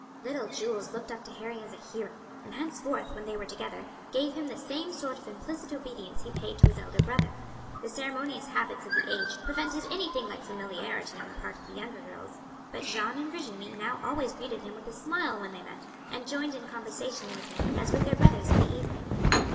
Little Jules looked up to Harry as a hero, and henceforth, when they were together, gave him the same sort of implicit obedience he paid to his elder brother. The ceremonious habits of the age prevented anything like familiarity on the part of the younger girls; but Jeanne and Virginie now always greeted him with a smile when they met, and joined in conversation with him as with their brothers in the evening.